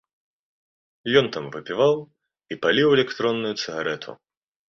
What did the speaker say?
Ён там выпіваў і паліў электронную цыгарэту.